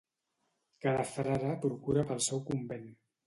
Cada frare procura pel seu convent.